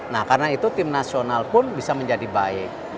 nah karena itu tim nasional pun bisa menjadi baik